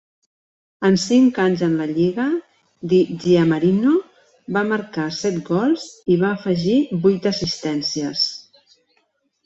En cinc anys en la lliga, DiGiamarino va marcar set gols i va afegir vuit assistències.